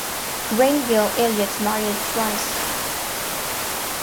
Granville Elliott married twice.